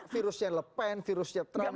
virusnya le pen virusnya trump